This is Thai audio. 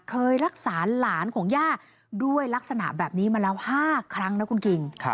เคยรักษาหลานของย่าด้วยลักษณะแบบนี้มาแล้ว๕ครั้งนะคุณคิง